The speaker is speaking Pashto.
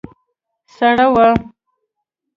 سړه وه.